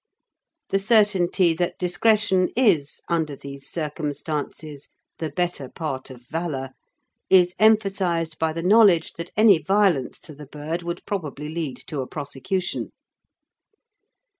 The certainty that discretion is, under these circumstances, the better part of valour is emphasised by the knowledge that any violence to the bird would probably lead to a prosecution.